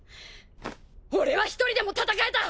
俺は一人でも戦えた！